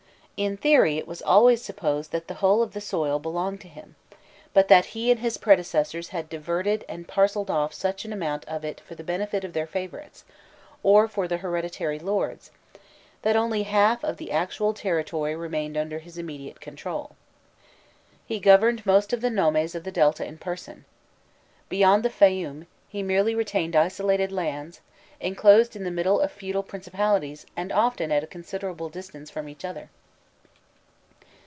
In theory it was always supposed that the whole of the soil belonged to him, but that he and his predecessors had diverted and parcelled off such an amount of it for the benefit of their favourites, or for the hereditary lords, that only half of the actual territory remained under his immediate control. He governed most of the nomes of the Delta in person: beyond the Fayum, he merely retained isolated lands, enclosed in the middle of feudal principalities and often at considerable distance from each other.